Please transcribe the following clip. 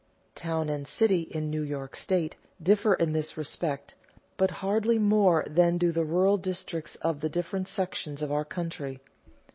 Town and city in New York state differ in this respect, but hardly more than do the rural districts of the different sections of our country.